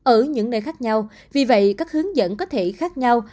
ở những nơi khác nhau vì vậy các hướng dẫn có thể khác nhau